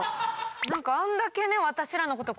何かあんだけね私らのこと